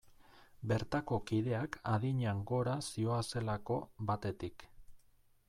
Bertako kideak adinean gora zihoazelako, batetik.